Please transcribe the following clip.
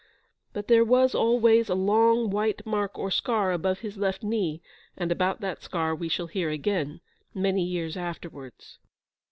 But there was always a long white mark or scar above his left knee, and about that scar we shall hear again, many years afterwards.